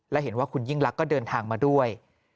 และเห็นว่าคุณยิ่งลักษณ์เดินทางมาด้วย